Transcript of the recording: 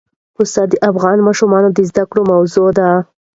پسه د افغان ماشومانو د زده کړې موضوع ده.